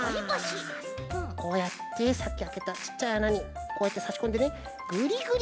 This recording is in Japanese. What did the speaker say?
こうやってさっきあけたちっちゃいあなにこうやってさしこんでねグリグリグリグリ！